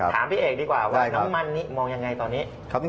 พี่เอกดีกว่าว่าน้ำมันนี้มองยังไงตอนนี้